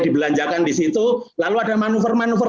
dibelanjakan di situ lalu ada manuver manuver